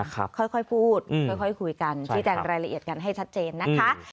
ค่อยพูดค่อยคุยกันชี้แจงรายละเอียดกันให้ชัดเจนนะคะ